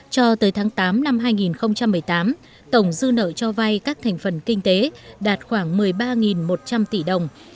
cho tới tháng tám năm hai nghìn một mươi tám tổng dư nợ cho vay các thành phần kinh tế đạt khoảng một mươi ba một trăm linh tỷ đồng